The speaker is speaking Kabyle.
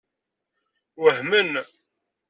Wehmen.